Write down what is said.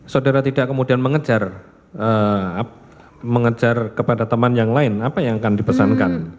saudara tidak kemudian mengejar mengejar kepada teman yang lain apa yang akan dipesankan